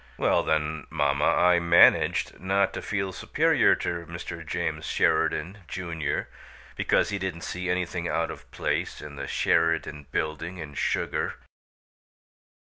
Well, then, mamma, I managed not to feel superior to Mr. James Sheridan, Junior, because he didn't see anything out of place in the Sheridan Building in sugar."